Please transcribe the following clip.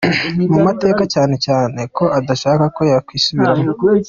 mu mateka cyane cyane ko adashaka ko yakwisubiramo.